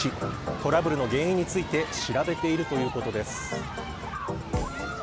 トラブルの原因について調べているということです。